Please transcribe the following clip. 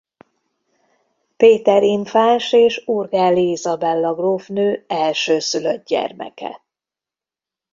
Péter infáns és Urgelli Izabella grófnő elsőszülött gyermeke.